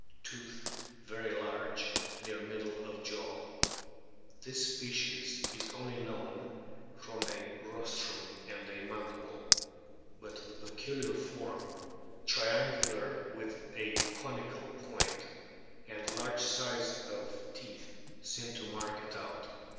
Tooth very large, near middle of jaw. This species is only known from a rostrum and a mandible. But the peculiar form (triangular with a conical point) and large size of teeth seem to mark it out.